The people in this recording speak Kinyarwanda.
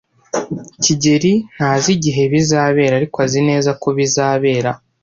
kigeli ntazi igihe bizabera, ariko azi neza ko bizabera.